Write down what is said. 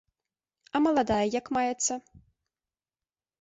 А маладая як маецца?